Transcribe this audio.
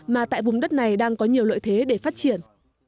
mà tại vùng đất này đang có nhiều lợi thế để phát triển